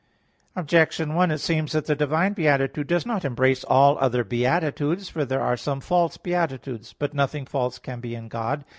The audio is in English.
Objection 1: It seems that the divine beatitude does not embrace all other beatitudes. For there are some false beatitudes. But nothing false can be in God.